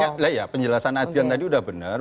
maksudnya penjelasan adian tadi udah bener